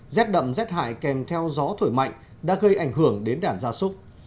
rét đậm rét hại kèm theo gió thổi mạnh đã gây ảnh hưởng đến đàn gia súc